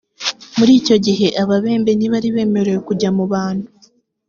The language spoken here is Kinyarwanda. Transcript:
muri icyo gihe ababembe ntibari bemerewe kujya mu bantu